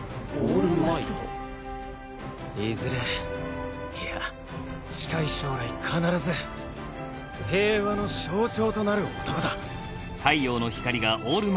いずれいや近い将来必ず平和の象徴となる男だ。